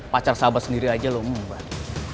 pacar sahabat sendiri aja lo membah